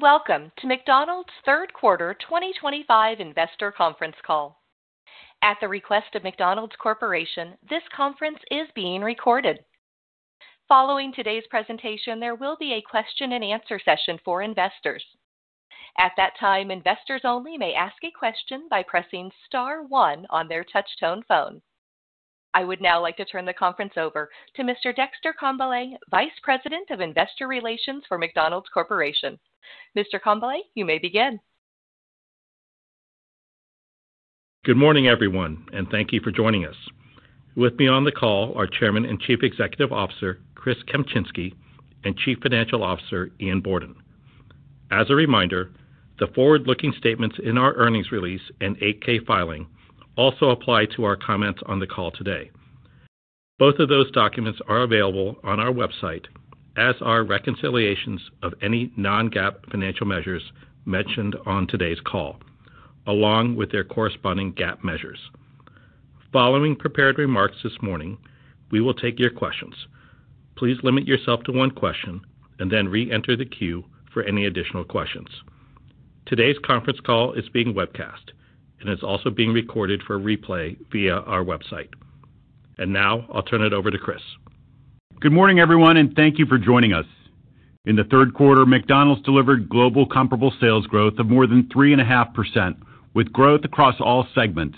Welcome to McDonald's third quarter 2025 investor conference call. At the request of McDonald's Corporation, this conference is being recorded. Following today's presentation, there will be a question-and-answer session for investors. At that time, investors only may ask a question by pressing star one on their touch-tone phone. I would now like to turn the conference over to Mr. Dexter Congbalay, Vice President of Investor Relations for McDonald's Corporation. Mr. Congbalay, you may begin. Good morning, everyone, and thank you for joining us. With me on the call are Chairman and Chief Executive Officer Chris Kempczinski and Chief Financial Officer Ian Borden. As a reminder, the forward-looking statements in our earnings release and 8-K filing also apply to our comments on the call today. Both of those documents are available on our website, as are reconciliations of any non-GAAP financial measures mentioned on today's call, along with their corresponding GAAP measures. Following prepared remarks this morning, we will take your questions. Please limit yourself to one question and then re-enter the queue for any additional questions. Today's conference call is being webcast and is also being recorded for replay via our website. Now I'll turn it over to Chris. Good morning, everyone, and thank you for joining us. In the third quarter, McDonald's delivered global comparable sales growth of more than 3.5%, with growth across all segments.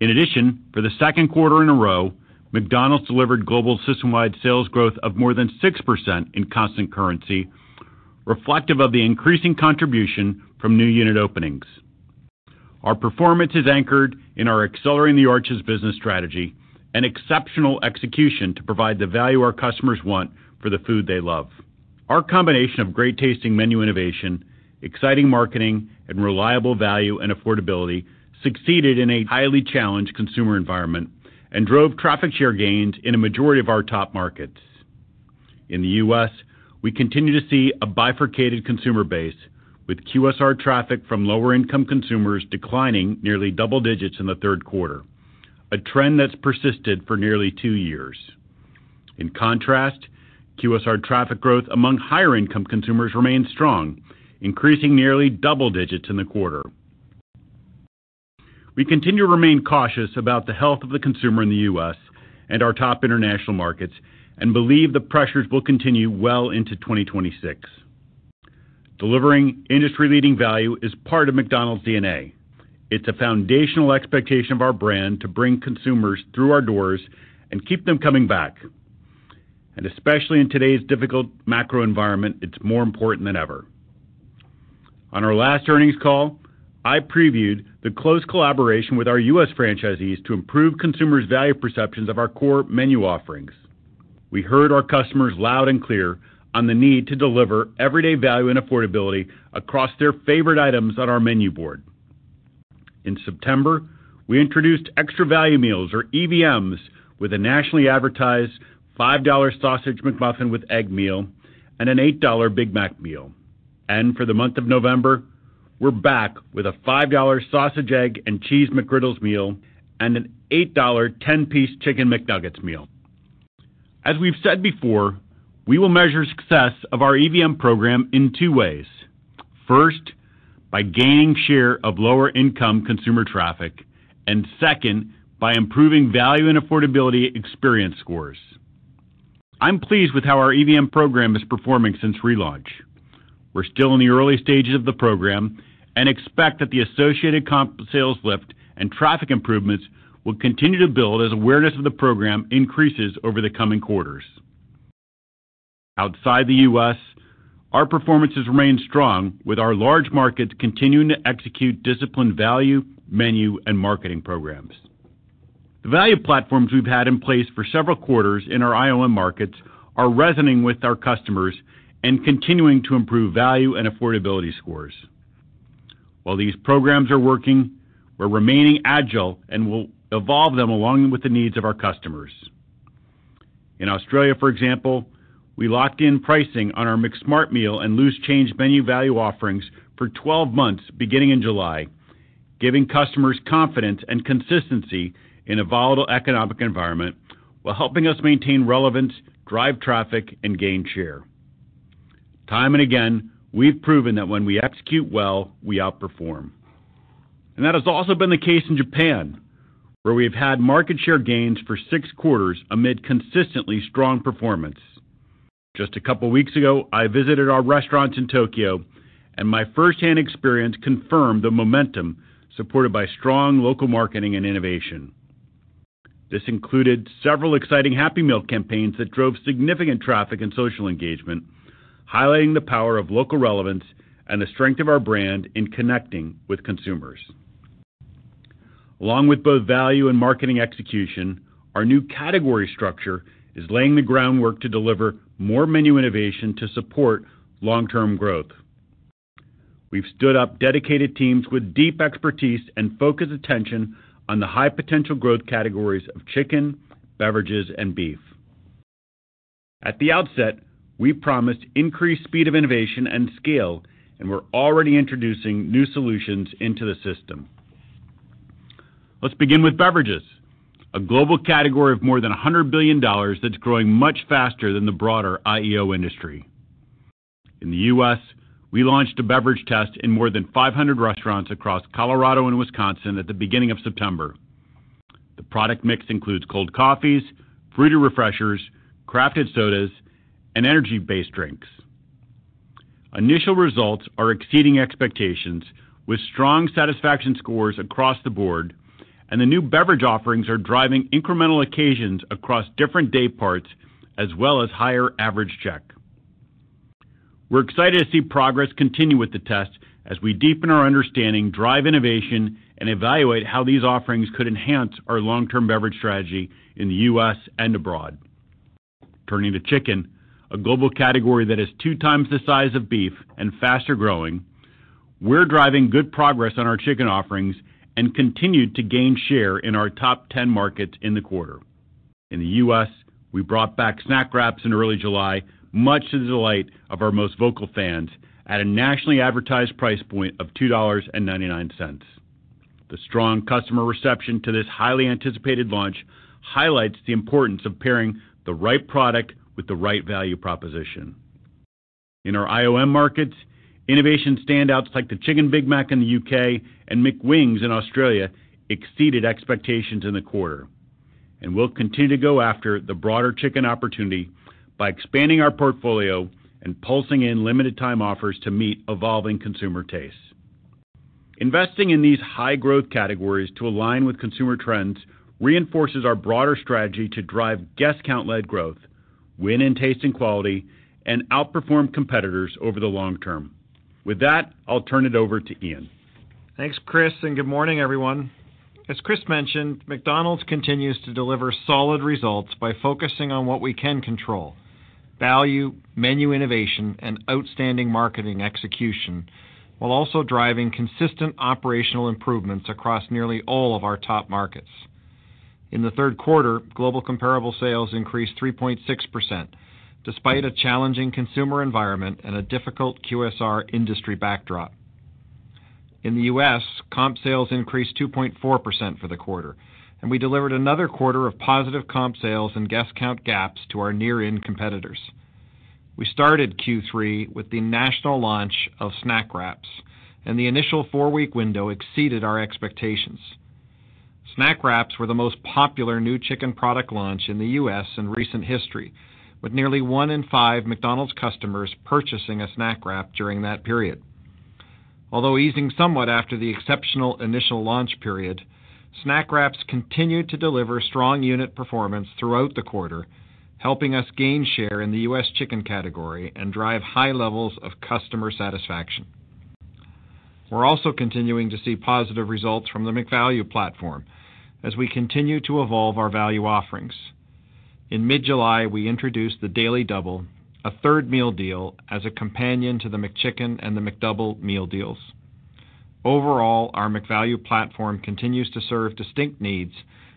In addition, for the second quarter in a row, McDonald's delivered global system-wide sales growth of more than 6% in constant currency, reflective of the increasing contribution from new unit openings. Our performance is anchored in our Accelerating the Arches business strategy and exceptional execution to provide the value our customers want for the food they love. Our combination of great-tasting menu innovation, exciting marketing, and reliable value and affordability succeeded in a highly challenged consumer environment and drove traffic share gains in a majority of our top markets. In the U.S., we continue to see a bifurcated consumer base, with QSR traffic from lower-income consumers declining nearly double digits in the third quarter, a trend that's persisted for nearly two years. In contrast, QSR traffic growth among higher-income consumers remains strong, increasing nearly double digits in the quarter. We continue to remain cautious about the health of the consumer in the U.S. and our top international markets and believe the pressures will continue well into 2026. Delivering industry-leading value is part of McDonald's DNA. It is a foundational expectation of our brand to bring consumers through our doors and keep them coming back. Especially in today's difficult macro environment, it is more important than ever. On our last earnings call, I previewed the close collaboration with our U.S. franchisees to improve consumers' value perceptions of our core menu offerings. We heard our customers loud and clear on the need to deliver everyday value and affordability across their favorite items on our menu board. In September, we introduced Extra Value Meals, or EVMs, with a nationally advertised $5 sausage McMuffin with Egg Meal and an $8 Big Mac Meal. For the month of November, we're back with a $5 Sausage, Egg & Cheese McGriddles Meal and an $8 10-piece Chicken McNuggets Meal. As we've said before, we will measure success of our EVM program in two ways. First, by gaining share of lower-income consumer traffic, and second, by improving value and affordability experience scores. I'm pleased with how our EVM program is performing since relaunch. We're still in the early stages of the program and expect that the associated comp sales lift and traffic improvements will continue to build as awareness of the program increases over the coming quarters. Outside the U.S., our performances remain strong, with our large markets continuing to execute disciplined value, menu, and marketing programs. The value platforms we've had in place for several quarters in our IOM markets are resonating with our customers and continuing to improve value and affordability scores. While these programs are working, we're remaining agile and will evolve them along with the needs of our customers. In Australia, for example, we locked in pricing on our McSmart Meal and Loose Change Menu value offerings for 12 months beginning in July, giving customers confidence and consistency in a volatile economic environment while helping us maintain relevance, drive traffic, and gain share. Time and again, we've proven that when we execute well, we outperform. That has also been the case in Japan, where we've had market share gains for six quarters amid consistently strong performance. Just a couple of weeks ago, I visited our restaurants in Tokyo, and my firsthand experience confirmed the momentum supported by strong local marketing and innovation. This included several exciting Happy Meal campaigns that drove significant traffic and social engagement, highlighting the power of local relevance and the strength of our brand in connecting with consumers. Along with both value and marketing execution, our new category structure is laying the groundwork to deliver more menu innovation to support long-term growth. We've stood up dedicated teams with deep expertise and focused attention on the high-potential growth categories of chicken, beverages, and beef. At the outset, we promised increased speed of innovation and scale, and we're already introducing new solutions into the system. Let's begin with beverages, a global category of more than $100 billion that's growing much faster than the broader IEO industry. In the U.S., we launched a beverage test in more than 500 restaurants across Colorado and Wisconsin at the beginning of September. The product mix includes cold coffees, fruity refreshers, crafted sodas, and energy-based drinks. Initial results are exceeding expectations, with strong satisfaction scores across the board, and the new beverage offerings are driving incremental occasions across different day parts as well as higher average check. We're excited to see progress continue with the tests as we deepen our understanding, drive innovation, and evaluate how these offerings could enhance our long-term beverage strategy in the U.S. and abroad. Turning to chicken, a global category that is two times the size of beef and faster growing, we're driving good progress on our chicken offerings and continued to gain share in our top 10 markets in the quarter. In the U.S., we brought back Snack Wraps in early July, much to the delight of our most vocal fans, at a nationally advertised price point of $2.99. The strong customer reception to this highly anticipated launch highlights the importance of pairing the right product with the right value proposition. In our IOM markets, innovation standouts like the Chicken Big Mac in the U.K. and McWings in Australia exceeded expectations in the quarter, and we'll continue to go after the broader chicken opportunity by expanding our portfolio and pulsing in limited-time offers to meet evolving consumer tastes. Investing in these high-growth categories to align with consumer trends reinforces our broader strategy to drive guest count-led growth, win in taste and quality, and outperform competitors over the long term. With that, I'll turn it over to Ian. Thanks, Chris, and good morning, everyone. As Chris mentioned, McDonald's continues to deliver solid results by focusing on what we can control: value, menu innovation, and outstanding marketing execution, while also driving consistent operational improvements across nearly all of our top markets. In the third quarter, global comparable sales increased 3.6%, despite a challenging consumer environment and a difficult QSR industry backdrop. In the U.S., comp sales increased 2.4% for the quarter, and we delivered another quarter of positive comp sales and guest count gaps to our near-in competitors. We started Q3 with the national launch of Snack Wraps, and the initial four-week window exceeded our expectations. Snack Wraps were the most popular new chicken product launch in the U.S. in recent history, with nearly one in five McDonald's customers purchasing a Snack Wrap during that period. Although easing somewhat after the exceptional initial launch period, Snack Wraps continued to deliver strong unit performance throughout the quarter, helping us gain share in the U.S. chicken category and drive high levels of customer satisfaction. We are also continuing to see positive results from the McValue platform as we continue to evolve our value offerings. In mid-July, we introduced the Daily Double, a third meal deal, as a companion to the McChicken and the McDouble Meal deals. Overall, our McValue platform continues to serve distinct needs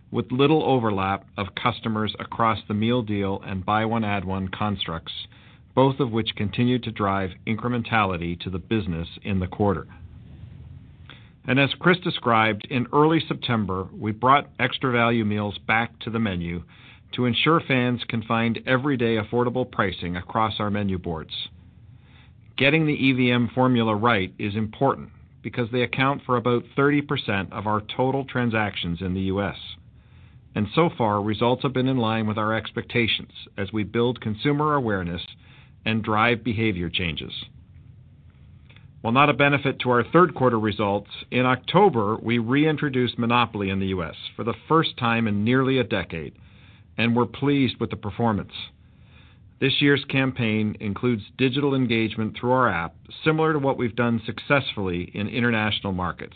with little overlap of customers across the meal deal and buy-one-add-one constructs, both of which continue to drive incrementality to the business in the quarter. As Chris described, in early September, we brought Extra Value Meals back to the menu to ensure fans can find everyday affordable pricing across our menu boards. Getting the EVM formula right is important because they account for about 30% of our total transactions in the U.S. So far, results have been in line with our expectations as we build consumer awareness and drive behavior changes. While not a benefit to our third-quarter results, in October, we reintroduced Monopoly in the U.S. for the first time in nearly a decade, and we're pleased with the performance. This year's campaign includes digital engagement through our app, similar to what we've done successfully in international markets.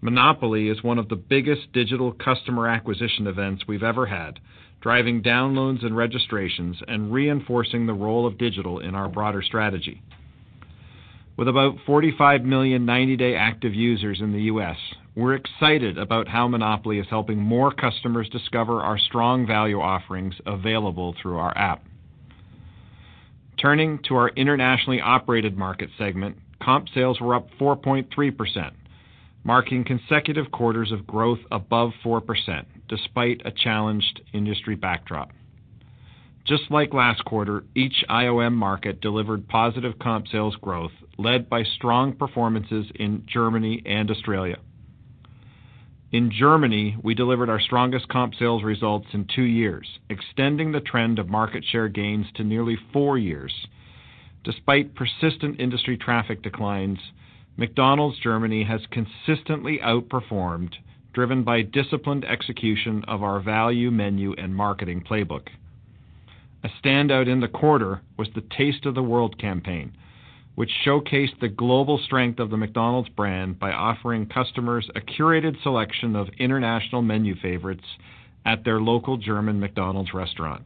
Monopoly is one of the biggest digital customer acquisition events we've ever had, driving downloads and registrations and reinforcing the role of digital in our broader strategy. With about 45 million 90-day active users in the U.S., we're excited about how Monopoly is helping more customers discover our strong value offerings available through our app. Turning to our Internationally Operated Market segment, comp sales were up 4.3%. Marking consecutive quarters of growth above 4%, despite a challenged industry backdrop. Just like last quarter, each IOM market delivered positive comp sales growth led by strong performances in Germany and Australia. In Germany, we delivered our strongest comp sales results in two years, extending the trend of market share gains to nearly four years. Despite persistent industry traffic declines, McDonald's Germany has consistently outperformed, driven by disciplined execution of our value menu and marketing playbook. A standout in the quarter was the Taste of the World campaign, which showcased the global strength of the McDonald's brand by offering customers a curated selection of international menu favorites at their local German McDonald's restaurant.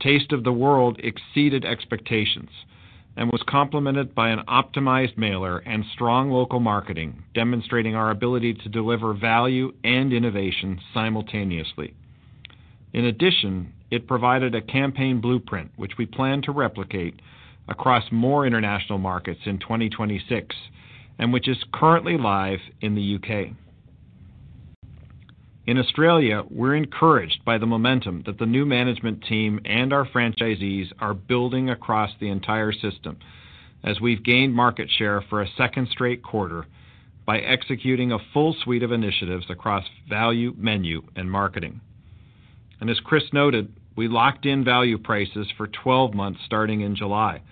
Taste of the World exceeded expectations and was complemented by an optimized mailer and strong local marketing, demonstrating our ability to deliver value and innovation simultaneously. In addition, it provided a campaign blueprint, which we plan to replicate across more international markets in 2026, and which is currently live in the U.K. In Australia, we're encouraged by the momentum that the new management team and our franchisees are building across the entire system as we've gained market share for a second straight quarter by executing a full suite of initiatives across value, menu, and marketing. As Chris noted, we locked in value prices for 12 months starting in July,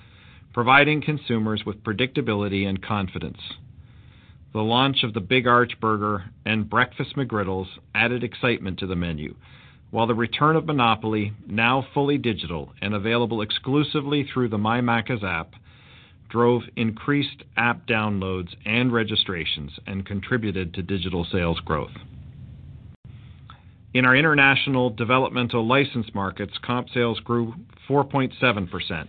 providing consumers with predictability and confidence. The launch of the Big Arch burger and breakfast McGriddles added excitement to the menu, while the return of Monopoly, now fully digital and available exclusively through the MyMacca's app, drove increased app downloads and registrations and contributed to digital sales growth. In our International Developmental Licensed Markets, comp sales grew 4.7%,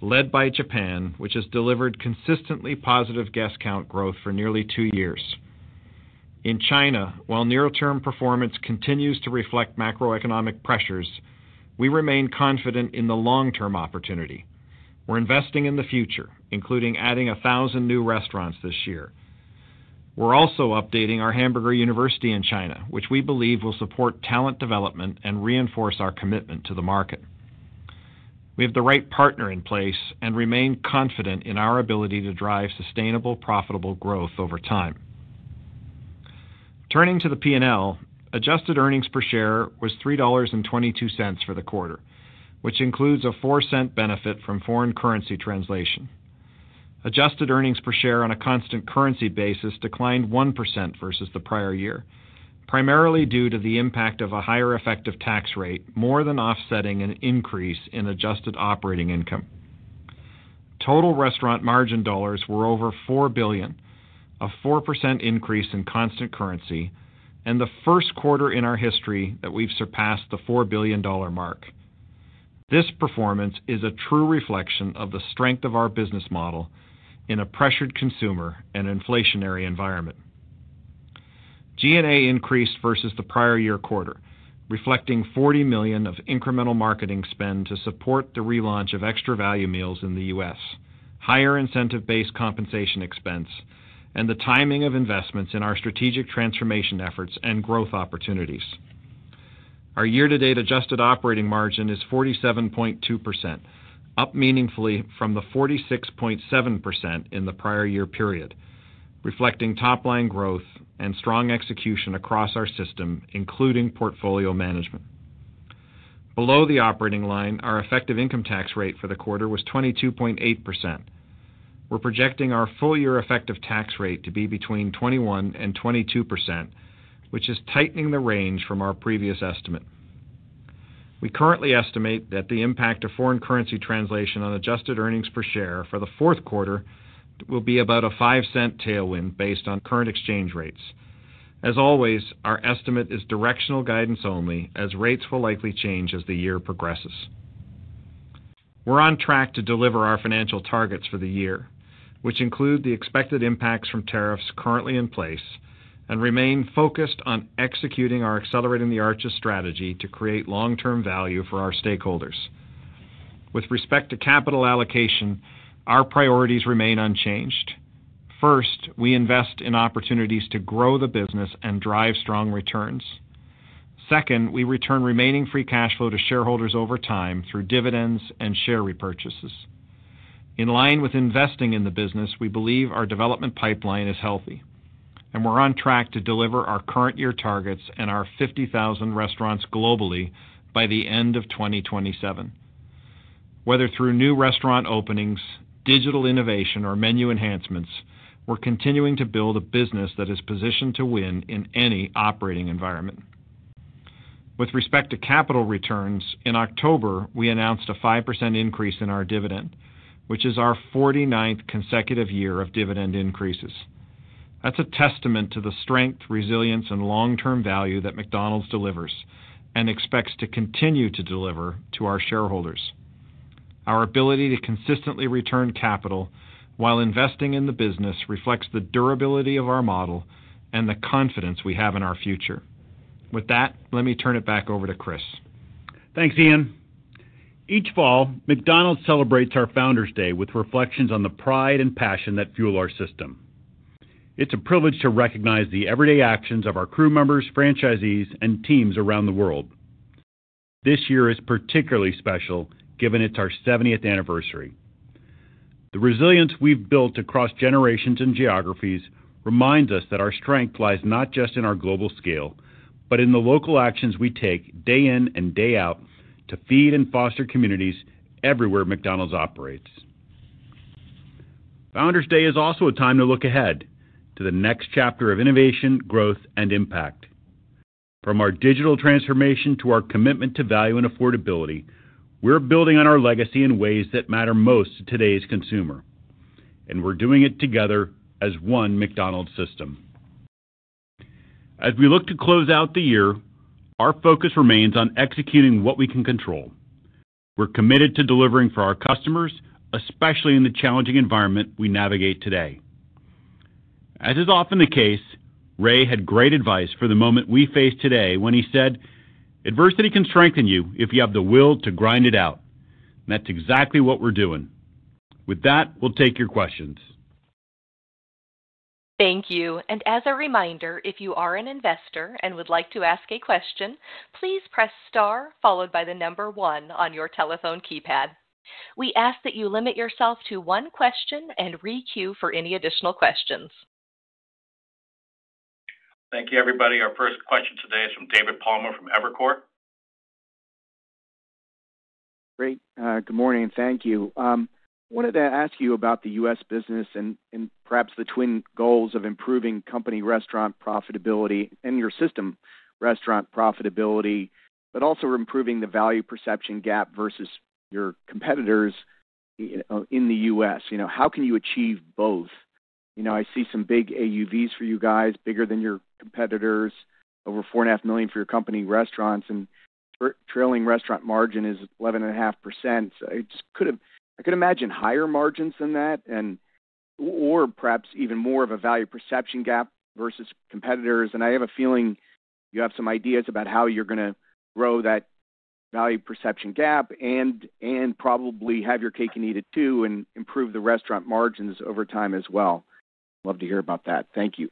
led by Japan, which has delivered consistently positive guest count growth for nearly two years. In China, while near-term performance continues to reflect macroeconomic pressures, we remain confident in the long-term opportunity. We're investing in the future, including adding 1,000 new restaurants this year. We're also updating our Hamburger University in China, which we believe will support talent development and reinforce our commitment to the market. We have the right partner in place and remain confident in our ability to drive sustainable, profitable growth over time. Turning to the P&L, adjusted earnings per share was $3.22 for the quarter, which includes a $0.04 benefit from foreign currency translation. Adjusted earnings per share on a constant currency basis declined 1% versus the prior year, primarily due to the impact of a higher effective tax rate more than offsetting an increase in adjusted operating income. Total restaurant margin dollars were over $4 billion, a 4% increase in constant currency, and the first quarter in our history that we've surpassed the $4 billion mark. This performance is a true reflection of the strength of our business model in a pressured consumer and inflationary environment. G&A increased versus the prior year quarter, reflecting $40 million of incremental marketing spend to support the relaunch of Extra Value Meals in the U.S., higher incentive-based compensation expense, and the timing of investments in our strategic transformation efforts and growth opportunities. Our year-to-date adjusted operating margin is 47.2%, up meaningfully from the 46.7% in the prior year period. Reflecting top-line growth and strong execution across our system, including portfolio management. Below the operating line, our effective income tax rate for the quarter was 22.8%. We're projecting our full-year effective tax rate to be between 21% and 22%, which is tightening the range from our previous estimate. We currently estimate that the impact of foreign currency translation on adjusted earnings per share for the fourth quarter will be about a $0.05 tailwind based on current exchange rates. As always, our estimate is directional guidance only, as rates will likely change as the year progresses. We're on track to deliver our financial targets for the year, which include the expected impacts from tariffs currently in place and remain focused on executing our Accelerating the Arches strategy to create long-term value for our stakeholders. With respect to capital allocation, our priorities remain unchanged. First, we invest in opportunities to grow the business and drive strong returns. Second, we return remaining free cash flow to shareholders over time through dividends and share repurchases. In line with investing in the business, we believe our development pipeline is healthy, and we're on track to deliver our current-year targets and our 50,000 restaurants globally by the end of 2027. Whether through new restaurant openings, digital innovation, or menu enhancements, we're continuing to build a business that is positioned to win in any operating environment. With respect to capital returns, in October, we announced a 5% increase in our dividend, which is our 49th consecutive year of dividend increases. That's a testament to the strength, resilience, and long-term value that McDonald's delivers and expects to continue to deliver to our shareholders. Our ability to consistently return capital while investing in the business reflects the durability of our model and the confidence we have in our future. With that, let me turn it back over to Chris. Thanks, Ian. Each fall, McDonald's celebrates our Founders' Day with reflections on the pride and passion that fuel our system. It's a privilege to recognize the everyday actions of our crew members, franchisees, and teams around the world. This year is particularly special given it's our 70th anniversary. The resilience we've built across generations and geographies reminds us that our strength lies not just in our global scale, but in the local actions we take day in and day out to feed and foster communities everywhere McDonald's operates. Founders' Day is also a time to look ahead to the next chapter of innovation, growth, and impact. From our digital transformation to our commitment to value and affordability, we're building on our legacy in ways that matter most to today's consumer, and we're doing it together as one McDonald's system. As we look to close out the year, our focus remains on executing what we can control. We're committed to delivering for our customers, especially in the challenging environment we navigate today. As is often the case, Ray had great advice for the moment we face today when he said, "Adversity can strengthen you if you have the will to grind it out." That's exactly what we're doing. With that, we'll take your questions. Thank you. As a reminder, if you are an investor and would like to ask a question, please press star followed by the number one on your telephone keypad. We ask that you limit yourself to one question and re-queue for any additional questions. Thank you, everybody. Our first question today is from David Palmer from Evercore. Great. Good morning. Thank you. I wanted to ask you about the U.S. business and perhaps the twin goals of improving company restaurant profitability and your system restaurant profitability, but also improving the value perception gap versus your competitors. In the U.S. How can you achieve both? I see some big AUVs for you guys, bigger than your competitors, over $4.5 million for your company restaurants, and trailing restaurant margin is 11.5%. I could imagine higher margins than that or perhaps even more of a value perception gap versus competitors. I have a feeling you have some ideas about how you're going to grow that value perception gap and probably have your cake and eat it too and improve the restaurant margins over time as well. Love to hear about that. Thank you.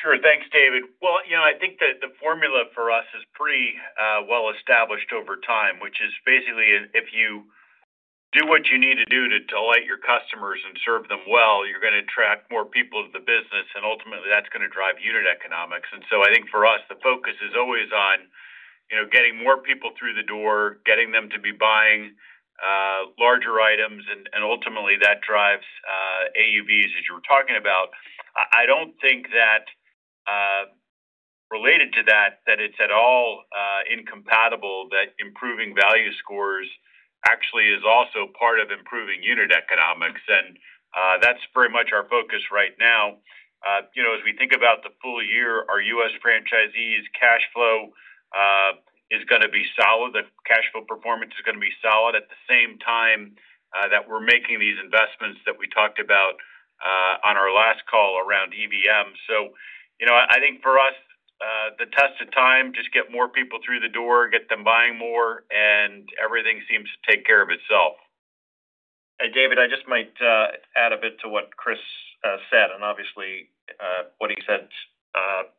Sure. Thanks, David. I think that the formula for us is pretty well established over time, which is basically if you do what you need to do to delight your customers and serve them well, you're going to attract more people to the business, and ultimately, that's going to drive unit economics. I think for us, the focus is always on getting more people through the door, getting them to be buying larger items, and ultimately, that drives AUVs, as you were talking about. I don't think that, related to that, that it's at all incompatible that improving value scores actually is also part of improving unit economics, and that's very much our focus right now. As we think about the full year, our U.S. franchisees' cash flow is going to be solid. The cash flow performance is going to be solid at the same time that we're making these investments that we talked about on our last call around EVM. I think for us, the test of time, just get more people through the door, get them buying more, and everything seems to take care of itself. Hey, David, I just might add a bit to what Chris said, and obviously, what he said.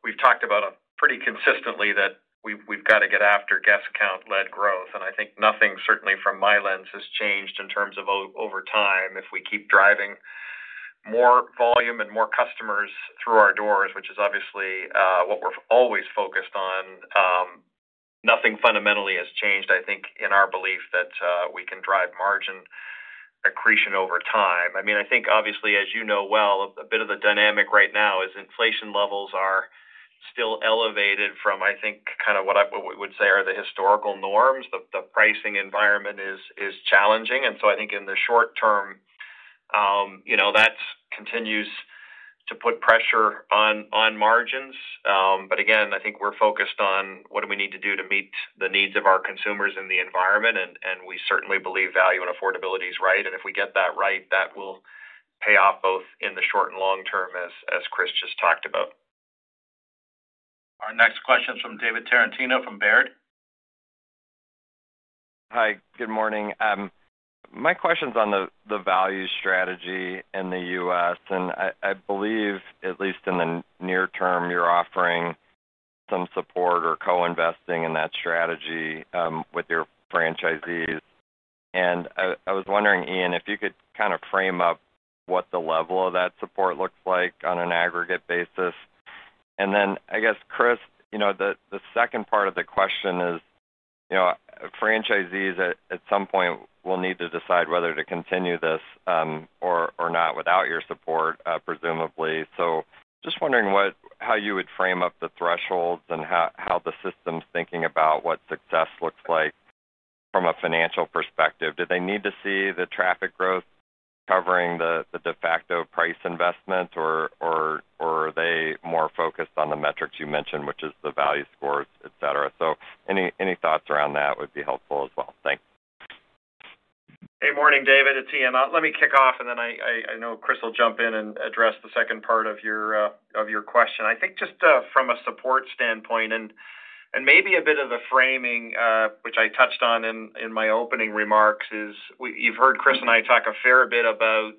We've talked about pretty consistently that we've got to get after guest count-led growth, and I think nothing, certainly from my lens, has changed in terms of over time. If we keep driving more volume and more customers through our doors, which is obviously what we're always focused on, nothing fundamentally has changed, I think, in our belief that we can drive margin accretion over time. I mean, I think, obviously, as you know well, a bit of the dynamic right now is inflation levels are still elevated from, I think, kind of what we would say are the historical norms. The pricing environment is challenging, and I think in the short term, that continues to put pressure on margins. Again, I think we're focused on what do we need to do to meet the needs of our consumers and the environment, and we certainly believe value and affordability is right. If we get that right, that will pay off both in the short and long term, as Chris just talked about. Our next question is from David Tarantino from Baird. Hi. Good morning. My question's on the value strategy in the U.S., and I believe, at least in the near term, you're offering some support or co-investing in that strategy with your franchisees. I was wondering, Ian, if you could kind of frame up what the level of that support looks like on an aggregate basis. I guess, Chris, the second part of the question is, franchisees at some point will need to decide whether to continue this or not without your support, presumably. Just wondering how you would frame up the thresholds and how the system's thinking about what success looks like from a financial perspective. Do they need to see the traffic growth covering the de facto price investment, or are they more focused on the metrics you mentioned, which is the value scores, etc.? Any thoughts around that would be helpful as well. Thanks. Hey, morning, David. It's Ian. Let me kick off, and then I know Chris will jump in and address the second part of your question. I think just from a support standpoint, and maybe a bit of the framing, which I touched on in my opening remarks, is you've heard Chris and I talk a fair bit about.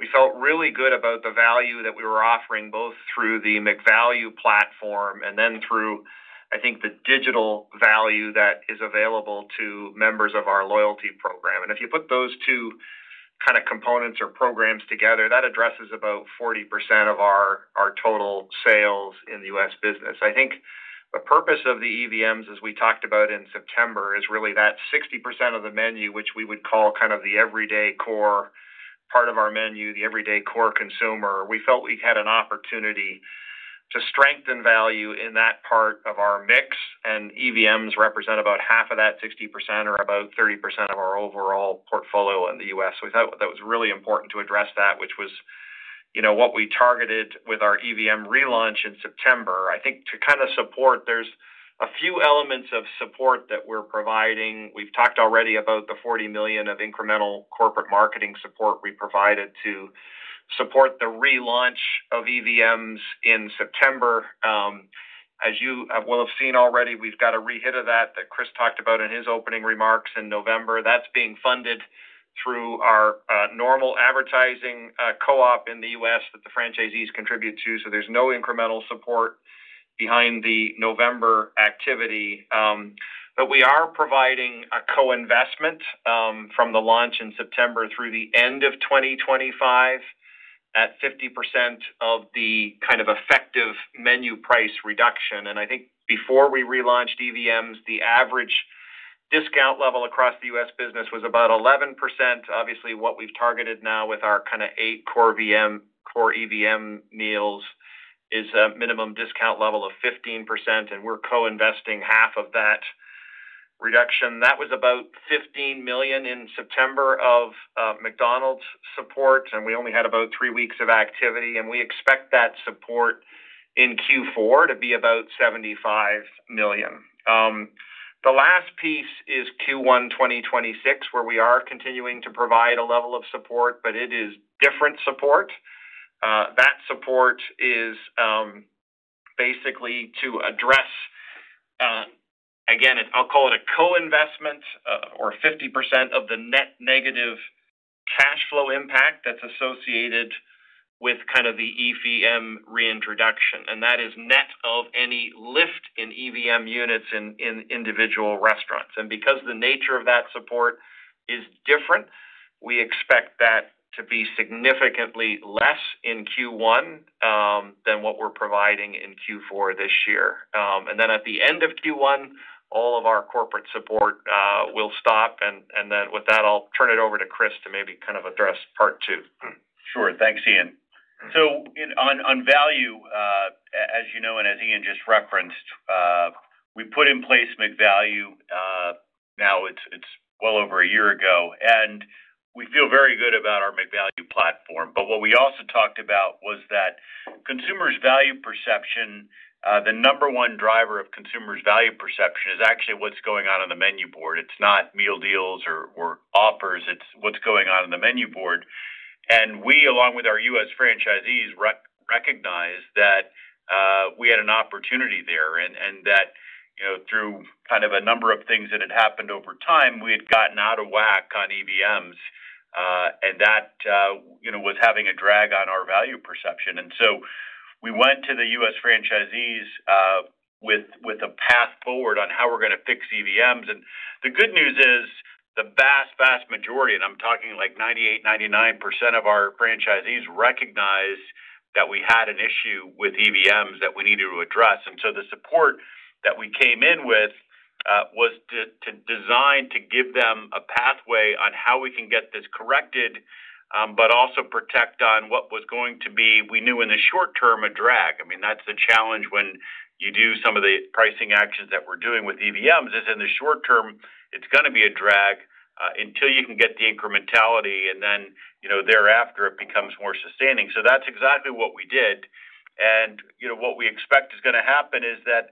We felt really good about the value that we were offering both through the McValue platform and then through, I think, the digital value that is available to members of our loyalty program. And if you put those two kind of components or programs together, that addresses about 40% of our total sales in the U.S. business. I think the purpose of the EVMs, as we talked about in September, is really that 60% of the menu, which we would call kind of the everyday core part of our menu, the everyday core consumer. We felt we had an opportunity to strengthen value in that part of our mix, and EVMs represent about half of that 60% or about 30% of our overall portfolio in the U.S. We thought that was really important to address that, which was what we targeted with our EVM relaunch in September. I think to kind of support, there are a few elements of support that we are providing. We have talked already about the $40 million of incremental corporate marketing support we provided to support the relaunch of EVMs in September. As you will have seen already, we have got a rehit of that that Chris talked about in his opening remarks in November. That's being funded through our normal advertising co-op in the U.S. that the franchisees contribute to, so there's no incremental support behind the November activity. We are providing a co-investment from the launch in September through the end of 2025 at 50% of the kind of effective menu price reduction. I think before we relaunched EVMs, the average discount level across the U.S. business was about 11%. Obviously, what we've targeted now with our kind of eight core EVM meals is a minimum discount level of 15%, and we're co-investing half of that reduction. That was about $15 million in September of McDonald's support, and we only had about three weeks of activity, and we expect that support in Q4 to be about $75 million. The last piece is Q1 2026, where we are continuing to provide a level of support, but it is different support. That support is basically to address, again, I'll call it a co-investment or 50% of the net negative cash flow impact that's associated with kind of the EVM reintroduction. That is net of any lift in EVM units in individual restaurants. Because the nature of that support is different, we expect that to be significantly less in Q1 than what we're providing in Q4 this year. At the end of Q1, all of our corporate support will stop. With that, I'll turn it over to Chris to maybe kind of address part two. Sure. Thanks, Ian. On value, as you know and as Ian just referenced, we put in place McValue. Now it is well over a year ago, and we feel very good about our McValue platform. What we also talked about was that consumers' value perception, the number one driver of consumers' value perception, is actually what is going on on the menu board. It is not meal deals or offers. It is what is going on on the menu board. We, along with our U.S. franchisees, recognize that. We had an opportunity there and that through kind of a number of things that had happened over time, we had gotten out of whack on EVMs. That was having a drag on our value perception. We went to the US franchisees with a path forward on how we are going to fix EVMs. The good news is the vast, vast majority, and I'm talking like 98%, 99% of our franchisees, recognize that we had an issue with EVMs that we needed to address. The support that we came in with was designed to give them a pathway on how we can get this corrected, but also protect on what was going to be, we knew in the short term, a drag. I mean, that's the challenge when you do some of the pricing actions that we're doing with EVMs is in the short term, it's going to be a drag until you can get the incrementality, and then thereafter it becomes more sustaining. That's exactly what we did. What we expect is going to happen is that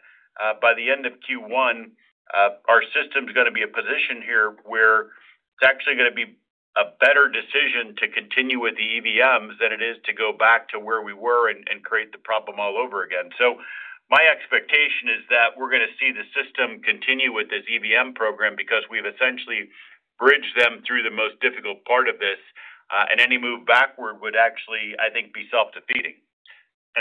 by the end of Q1. Our system is going to be in a position here where it's actually going to be a better decision to continue with the EVMs than it is to go back to where we were and create the problem all over again. My expectation is that we're going to see the system continue with this EVM program because we've essentially bridged them through the most difficult part of this, and any move backward would actually, I think, be self-defeating.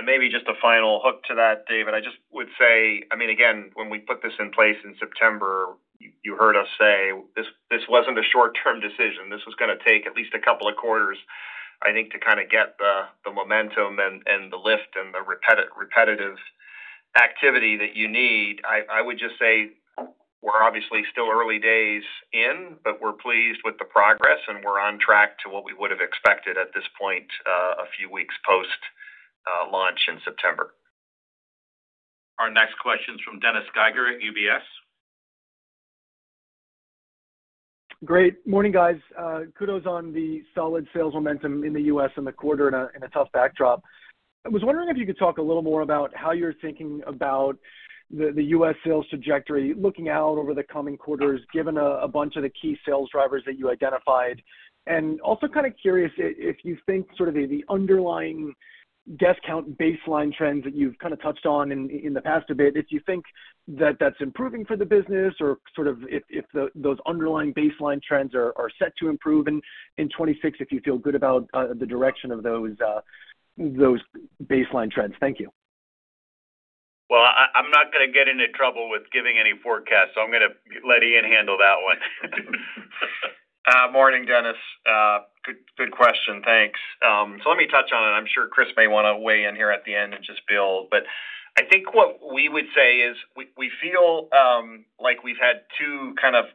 Maybe just a final hook to that, David, I just would say, I mean, again, when we put this in place in September. You heard us say this was not a short-term decision. This was going to take at least a couple of quarters, I think, to kind of get the momentum and the lift and the repetitive activity that you need. I would just say. We are obviously still early days in, but we are pleased with the progress, and we are on track to what we would have expected at this point a few weeks post. Launch in September. Our next question is from Dennis Geiger at UBS. Great. Morning, guys. Kudos on the solid sales momentum in the U.S. in the quarter in a tough backdrop. I was wondering if you could talk a little more about how you're thinking about the U.S. sales trajectory looking out over the coming quarters, given a bunch of the key sales drivers that you identified. Also kind of curious if you think sort of the underlying guest count baseline trends that you've kind of touched on in the past a bit, if you think that that's improving for the business or sort of if those underlying baseline trends are set to improve in 2026, if you feel good about the direction of those baseline trends. Thank you. I'm not going to get into trouble with giving any forecasts, so I'm going to let Ian handle that one. Morning, Dennis. Good question. Thanks. Let me touch on it. I'm sure Chris may want to weigh in here at the end and just build. I think what we would say is we feel like we've had two kind of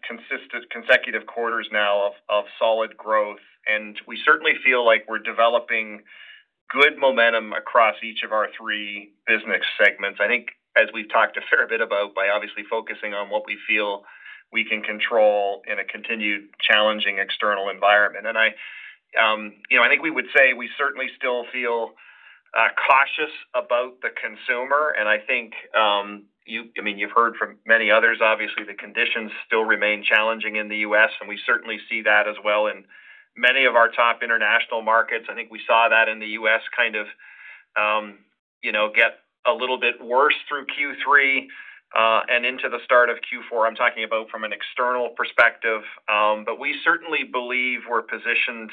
consecutive quarters now of solid growth, and we certainly feel like we're developing good momentum across each of our three business segments. I think, as we've talked a fair bit about by obviously focusing on what we feel we can control in a continued challenging external environment. I think we would say we certainly still feel cautious about the consumer. I think, I mean, you've heard from many others, obviously, the conditions still remain challenging in the U.S., and we certainly see that as well in many of our top international markets. I think we saw that in the U.S. kind of. Get a little bit worse through Q3 and into the start of Q4. I'm talking about from an external perspective. We certainly believe we're positioned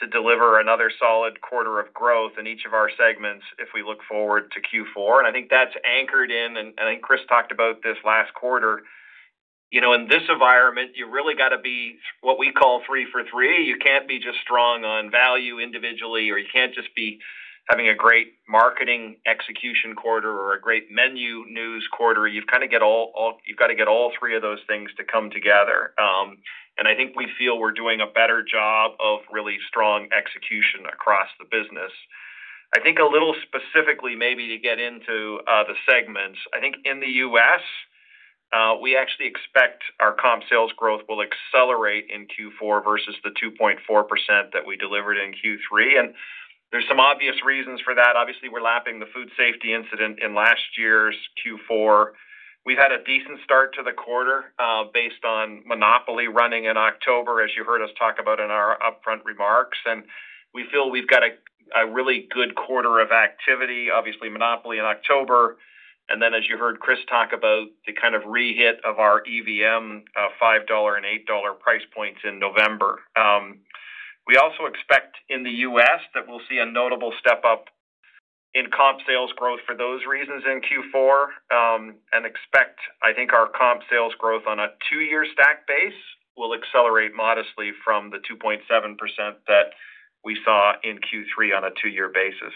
to deliver another solid quarter of growth in each of our segments if we look forward to Q4. I think that's anchored in, and I think Chris talked about this last quarter. In this environment, you really got to be what we call three for three. You can't be just strong on value individually, or you can't just be having a great marketing execution quarter or a great menu news quarter. You've got to get all three of those things to come together. I think we feel we're doing a better job of really strong execution across the business. I think a little specifically, maybe to get into the segments, I think in the U.S. We actually expect our comp sales growth will accelerate in Q4 versus the 2.4% that we delivered in Q3. There are some obvious reasons for that. Obviously, we are lapping the food safety incident in last year's Q4. We have had a decent start to the quarter based on Monopoly running in October, as you heard us talk about in our upfront remarks. We feel we have got a really good quarter of activity, obviously Monopoly in October. As you heard Chris talk about, the kind of rehit of our EVM $5 and $8 price points in November. We also expect in the U.S. that we will see a notable step up in comp sales growth for those reasons in Q4. We expect, I think, our comp sales growth on a two-year stack base will accelerate modestly from the 2.7% that we saw in Q3 on a two-year basis.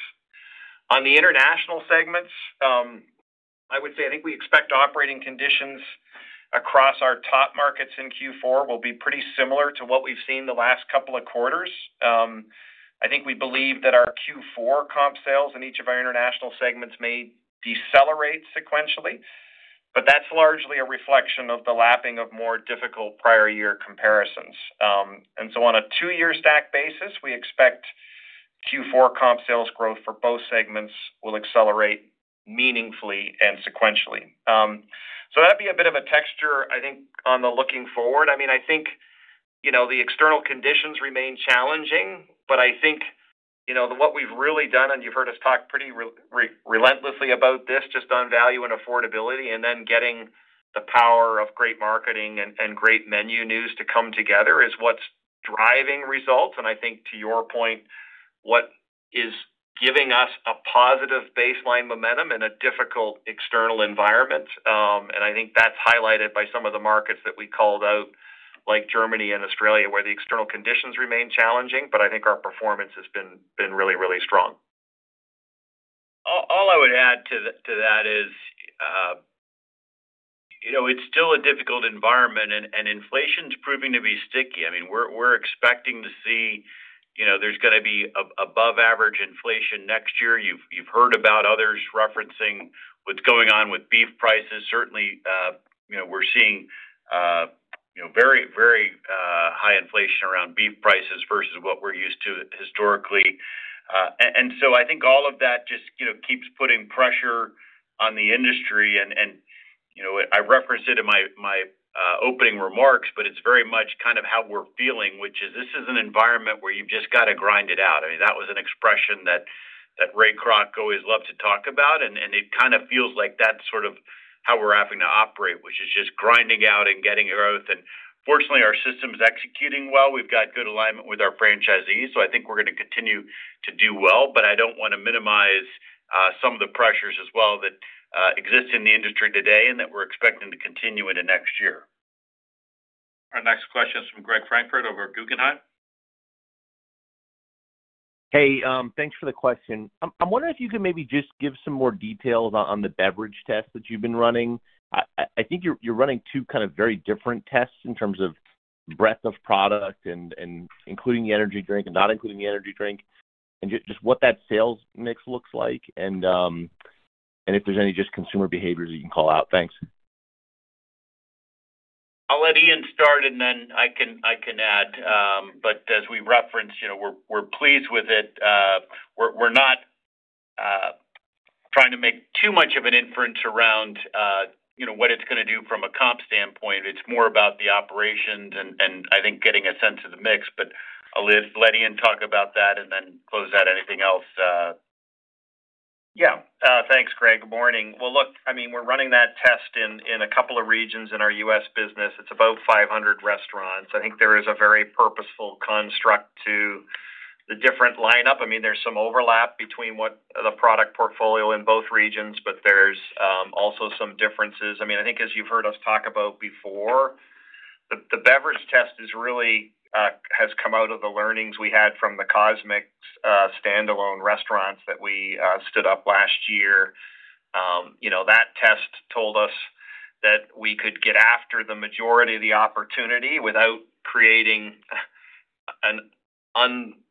On the international segments. I would say I think we expect operating conditions across our top markets in Q4 will be pretty similar to what we've seen the last couple of quarters. I think we believe that our Q4 comp sales in each of our international segments may decelerate sequentially, but that's largely a reflection of the lapping of more difficult prior-year comparisons. On a two-year stack basis, we expect Q4 comp sales growth for both segments will accelerate meaningfully and sequentially. That'd be a bit of a texture, I think, on the looking forward. I mean, I think the external conditions remain challenging, but I think what we've really done, and you've heard us talk pretty relentlessly about this just on value and affordability, and then getting the power of great marketing and great menu news to come together is what's driving results. I think, to your point, what is giving us a positive baseline momentum in a difficult external environment. I think that is highlighted by some of the markets that we called out, like Germany and Australia, where the external conditions remain challenging, but I think our performance has been really, really strong. All I would add to that is it's still a difficult environment, and inflation's proving to be sticky. I mean, we're expecting to see there's going to be above-average inflation next year. You've heard about others referencing what's going on with beef prices. Certainly, we're seeing very, very high inflation around beef prices versus what we're used to historically. I think all of that just keeps putting pressure on the industry. I referenced it in my opening remarks, but it's very much kind of how we're feeling, which is this is an environment where you've just got to grind it out. I mean, that was an expression that Ray Kroc always loved to talk about, and it kind of feels like that's sort of how we're having to operate, which is just grinding out and getting growth. Fortunately, our system is executing well. We've got good alignment with our franchisees, so I think we're going to continue to do well. I don't want to minimize some of the pressures as well that exist in the industry today and that we're expecting to continue into next year. Our next question is from Greg Francfort over at Guggenheim. Hey, thanks for the question. I'm wondering if you could maybe just give some more details on the beverage test that you've been running. I think you're running two kind of very different tests in terms of breadth of product and including the energy drink and not including the energy drink, and just what that sales mix looks like. If there's any just consumer behaviors that you can call out. Thanks. I'll let Ian start, and then I can add. As we referenced, we're pleased with it. We're not trying to make too much of an inference around what it's going to do from a comp standpoint. It's more about the operations, and I think getting a sense of the mix. I'll let Ian talk about that and then close out anything else. Yeah. Thanks, Greg. Good morning. Look, I mean, we're running that test in a couple of regions in our U.S. business. It's about 500 restaurants. I think there is a very purposeful construct to the different lineup. I mean, there's some overlap between the product portfolio in both regions, but there's also some differences. I mean, I think, as you've heard us talk about before, the beverage test has really come out of the learnings we had from the CosMc's standalone restaurants that we stood up last year. That test told us that we could get after the majority of the opportunity without creating an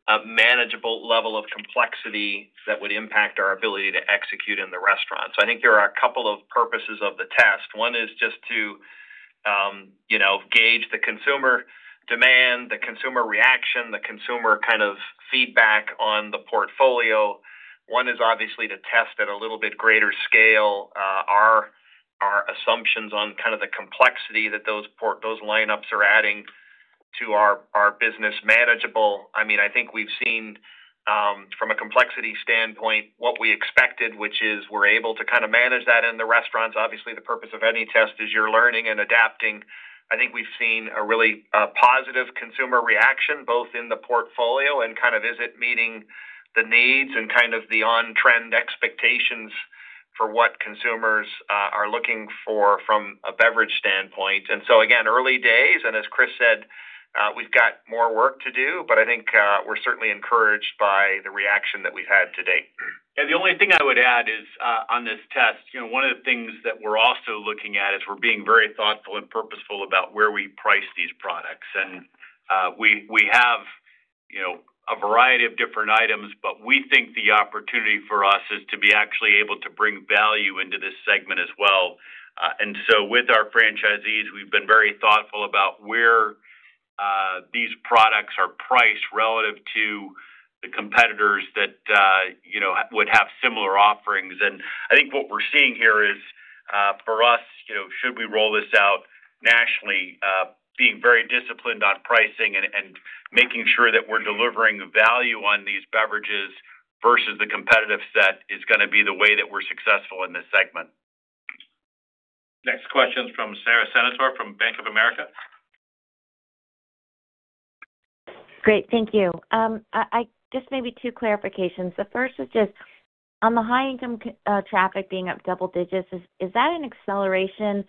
unmanageable level of complexity that would impact our ability to execute in the restaurants. I think there are a couple of purposes of the test. One is just to. Gauge the consumer demand, the consumer reaction, the consumer kind of feedback on the portfolio. One is obviously to test at a little bit greater scale our assumptions on kind of the complexity that those lineups are adding to our business manageable. I mean, I think we've seen from a complexity standpoint what we expected, which is we're able to kind of manage that in the restaurants. Obviously, the purpose of any test is you're learning and adapting. I think we've seen a really positive consumer reaction both in the portfolio and kind of is it meeting the needs and kind of the on-trend expectations for what consumers are looking for from a beverage standpoint. Again, early days. As Chris said, we've got more work to do, but I think we're certainly encouraged by the reaction that we've had to date. Yeah. The only thing I would add is on this test, one of the things that we're also looking at is we're being very thoughtful and purposeful about where we price these products. We have a variety of different items, but we think the opportunity for us is to be actually able to bring value into this segment as well. With our franchisees, we've been very thoughtful about where these products are priced relative to the competitors that would have similar offerings. I think what we're seeing here is for us, should we roll this out nationally, being very disciplined on pricing and making sure that we're delivering value on these beverages versus the competitive set is going to be the way that we're successful in this segment. Next question is from Sara Senatore from Bank of America. Great. Thank you. Just maybe two clarifications. The first is just on the high-income traffic being up double digits, is that an acceleration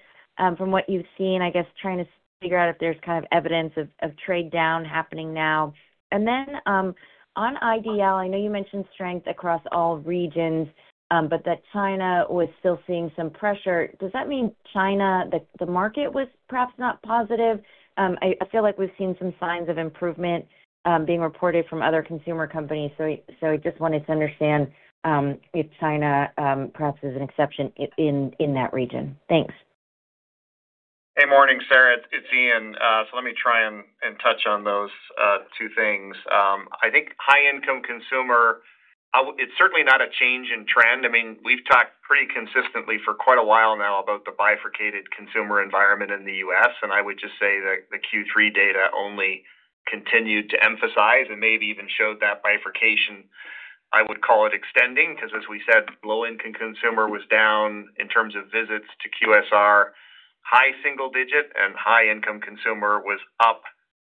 from what you've seen, I guess, trying to figure out if there's kind of evidence of trade down happening now? Just on IDL, I know you mentioned strength across all regions, but that China was still seeing some pressure. Does that mean China, the market, was perhaps not positive? I feel like we've seen some signs of improvement being reported from other consumer companies. I just wanted to understand if China perhaps is an exception in that region. Thanks. Hey, morning, Sara. It's Ian. Let me try and touch on those two things. I think high-income consumer. It's certainly not a change in trend. I mean, we've talked pretty consistently for quite a while now about the bifurcated consumer environment in the US. I would just say that the Q3 data only continued to emphasize and maybe even showed that bifurcation, I would call it extending, because, as we said, low-income consumer was down in terms of visits to QSR, high single-digit, and high-income consumer was up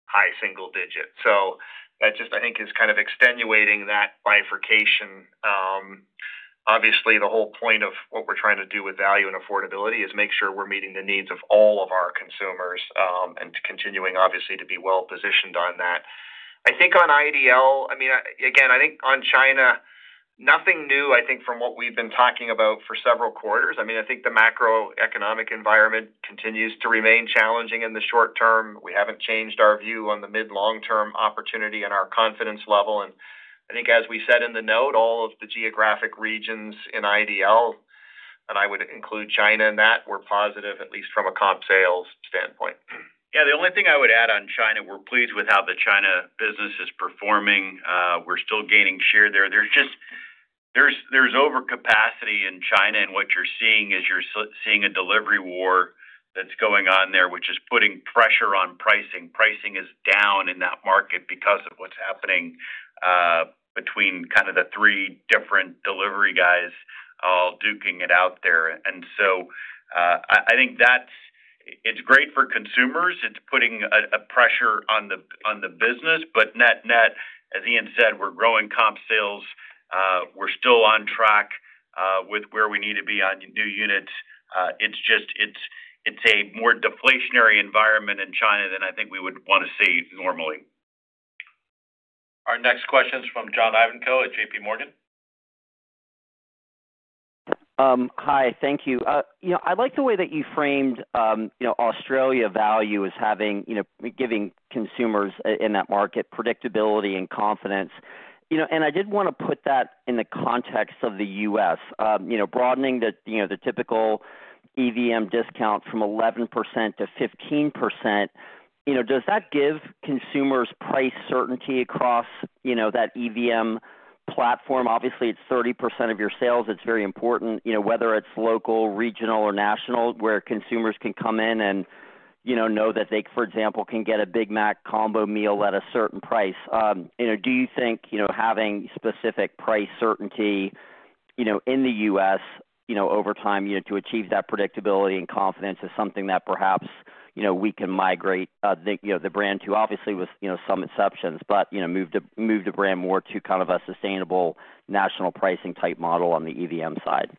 high single-digit. That just, I think, is kind of extenuating that bifurcation. Obviously, the whole point of what we're trying to do with value and affordability is make sure we're meeting the needs of all of our consumers and continuing, obviously, to be well-positioned on that. I think on IDL, I mean, again, I think on China, nothing new, I think, from what we've been talking about for several quarters. I mean, I think the macroeconomic environment continues to remain challenging in the short term. We haven't changed our view on the mid-long-term opportunity and our confidence level. I think, as we said in the note, all of the geographic regions in IDL, and I would include China in that, were positive, at least from a comp sales standpoint. Yeah. The only thing I would add on China, we're pleased with how the China business is performing. We're still gaining share there. There's overcapacity in China, and what you're seeing is you're seeing a delivery war that's going on there, which is putting pressure on pricing. Pricing is down in that market because of what's happening between kind of the three different delivery guys all duking it out there. I think it's great for consumers. It's putting a pressure on the business. But net-net, as Ian said, we're growing comp sales. We're still on track with where we need to be on new units. It's a more deflationary environment in China than I think we would want to see normally. Our next question is from John Ivankoe at JPMorgan. Hi. Thank you. I like the way that you framed Australia value as giving consumers in that market predictability and confidence. I did want to put that in the context of the U.S. Broadening the typical EVM discount from 11% to 15%, does that give consumers price certainty across that EVM platform? Obviously, it's 30% of your sales. It's very important, whether it's local, regional, or national, where consumers can come in and know that they, for example, can get a Big Mac combo meal at a certain price. Do you think having specific price certainty in the U.S. over time to achieve that predictability and confidence is something that perhaps we can migrate the brand to? Obviously, with some exceptions, but move the brand more to kind of a sustainable national pricing type model on the EVM side.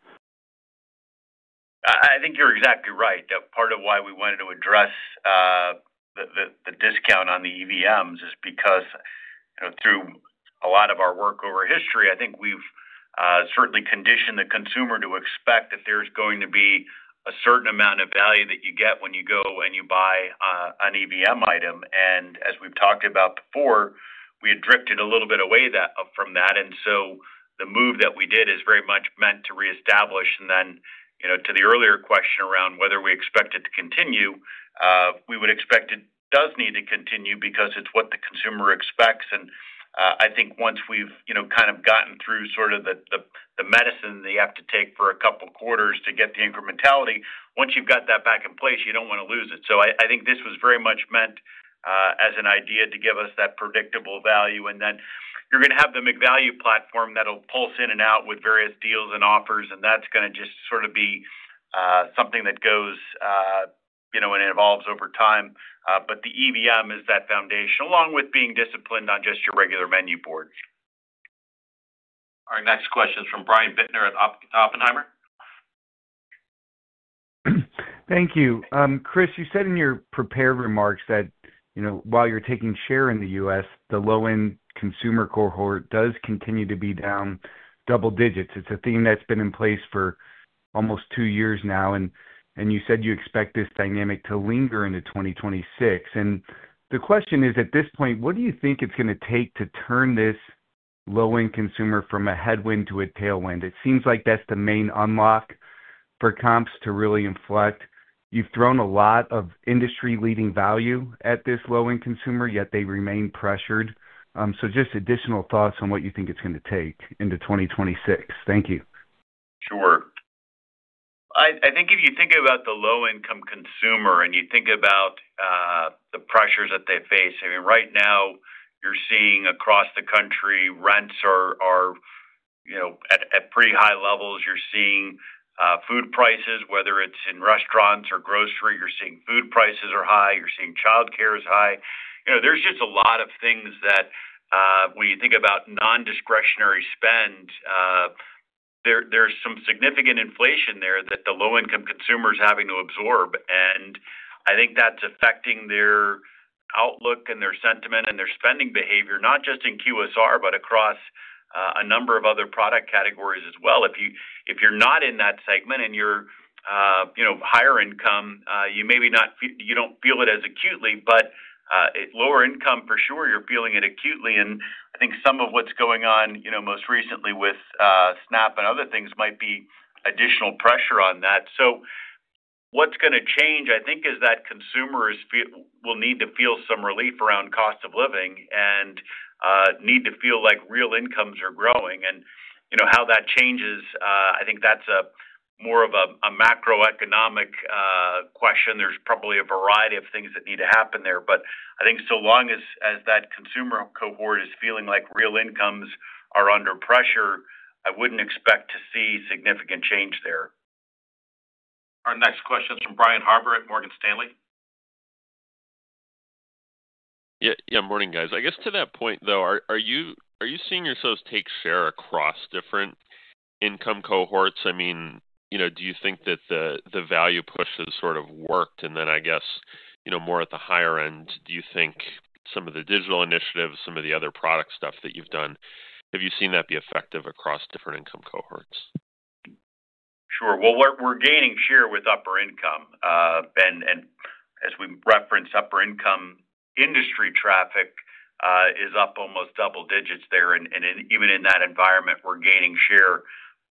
I think you're exactly right. Part of why we wanted to address the discount on the EVMs is because, through a lot of our work over history, I think we've certainly conditioned the consumer to expect that there's going to be a certain amount of value that you get when you go and you buy an EVM item. As we've talked about before, we had drifted a little bit away from that. The move that we did is very much meant to reestablish. To the earlier question around whether we expect it to continue, we would expect it does need to continue because it's what the consumer expects. I think once we've kind of gotten through sort of the medicine that you have to take for a couple of quarters to get the incrementality, once you've got that back in place, you don't want to lose it. I think this was very much meant as an idea to give us that predictable value. Then you're going to have the McValue platform that'll pulse in and out with various deals and offers. That's going to just sort of be something that goes and evolves over time. The EVM is that foundation, along with being disciplined on just your regular menu board. Our next question is from Brian Bittner at Oppenheimer. Thank you. Chris, you said in your prepared remarks that while you're taking share in the U.S., the low-end consumer cohort does continue to be down double digits. It's a theme that's been in place for almost two years now. You said you expect this dynamic to linger into 2026. The question is, at this point, what do you think it's going to take to turn this low-end consumer from a headwind to a tailwind? It seems like that's the main unlock for comps to really inflect. You've thrown a lot of industry-leading value at this low-end consumer, yet they remain pressured. Just additional thoughts on what you think it's going to take into 2026. Thank you. Sure. I think if you think about the low-income consumer and you think about the pressures that they face, I mean, right now, you're seeing across the country, rents are at pretty high levels. You're seeing food prices, whether it's in restaurants or grocery, you're seeing food prices are high. You're seeing childcare is high. There's just a lot of things that, when you think about non-discretionary spend, there's some significant inflation there that the low-income consumer is having to absorb. I think that's affecting their outlook and their sentiment and their spending behavior, not just in QSR, but across a number of other product categories as well. If you're not in that segment and you're higher income, you maybe don't feel it as acutely, but lower income, for sure, you're feeling it acutely. I think some of what's going on most recently with. SNAP and other things might be additional pressure on that. What is going to change, I think, is that consumers will need to feel some relief around cost of living and need to feel like real incomes are growing. How that changes, I think that's more of a macroeconomic question. There is probably a variety of things that need to happen there. I think so long as that consumer cohort is feeling like real incomes are under pressure, I would not expect to see significant change there. Our next question is from Brian Harbour at Morgan Stanley. Yeah. Good morning, guys. I guess to that point, though, are you seeing yourselves take share across different income cohorts? I mean, do you think that the value push has sort of worked? I guess more at the higher end, do you think some of the digital initiatives, some of the other product stuff that you've done, have you seen that be effective across different income cohorts? Sure. We are gaining share with upper income. As we referenced, upper-income industry traffic is up almost double digits there. Even in that environment, we are gaining share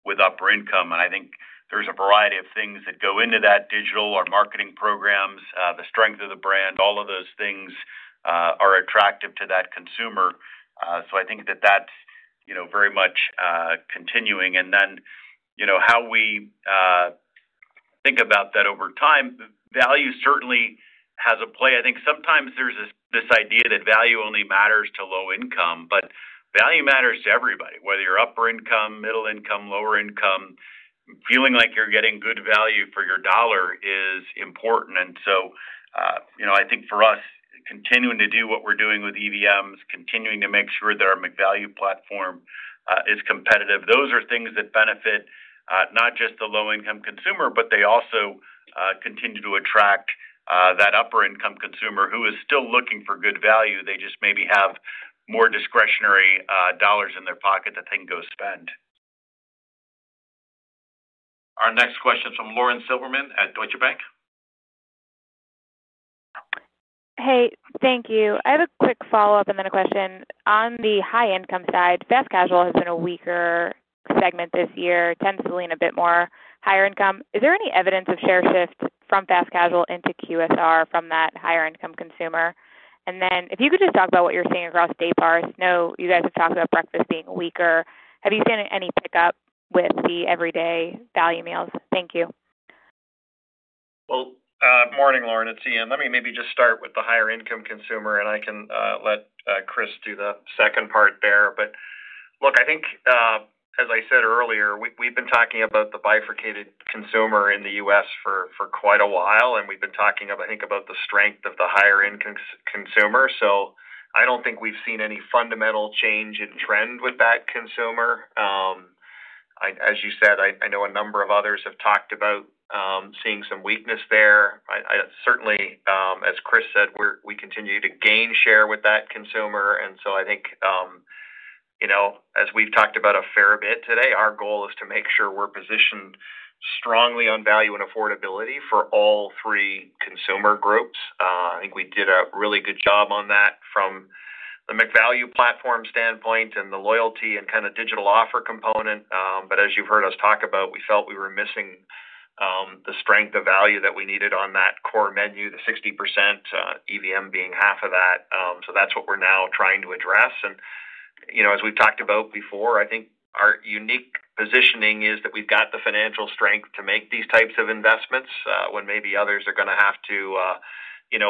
with upper income. I think there is a variety of things that go into that: digital or marketing programs, the strength of the brand. All of those things are attractive to that consumer. I think that is very much continuing. How we think about that over time, value certainly has a play. I think sometimes there is this idea that value only matters to low income, but value matters to everybody, whether you are upper income, middle income, lower income. Feeling like you are getting good value for your dollar is important. For us, continuing to do what we are doing with EVMs, continuing to make sure that our McValue platform. Is competitive, those are things that benefit not just the low-income consumer, but they also continue to attract that upper-income consumer who is still looking for good value. They just maybe have more discretionary dollars in their pocket to think, "Go spend." Our next question is from Lauren Silberman at Deutsche Bank. Hey, thank you. I have a quick follow-up and then a question. On the high-income side, fast casual has been a weaker segment this year, tends to lean a bit more higher income. Is there any evidence of share shift from fast casual into QSR from that higher-income consumer? If you could just talk about what you're seeing across day-parts. I know you guys have talked about breakfast being weaker. Have you seen any pickup with the everyday value meals? Thank you. Morning, Lauren. It's Ian. Let me maybe just start with the higher-income consumer, and I can let Chris do the second part there. Look, I think, as I said earlier, we've been talking about the bifurcated consumer in the U.S. for quite a while, and we've been talking, I think, about the strength of the higher-income consumer. I don't think we've seen any fundamental change in trend with that consumer. As you said, I know a number of others have talked about seeing some weakness there. Certainly, as Chris said, we continue to gain share with that consumer. I think, as we've talked about a fair bit today, our goal is to make sure we're positioned strongly on value and affordability for all three consumer groups. I think we did a really good job on that from. The McValue platform standpoint and the loyalty and kind of digital offer component. As you have heard us talk about, we felt we were missing the strength of value that we needed on that core menu, the 60% EVM being half of that. That is what we are now trying to address. As we have talked about before, I think our unique positioning is that we have got the financial strength to make these types of investments when maybe others are going to have to